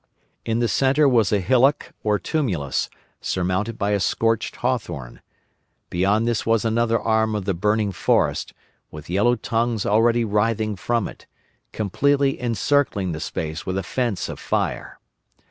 In the centre was a hillock or tumulus, surmounted by a scorched hawthorn. Beyond this was another arm of the burning forest, with yellow tongues already writhing from it, completely encircling the space with a fence of fire.